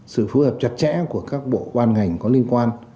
sự phù hợp chặt chẽ của các bộ ban ngành có liên quan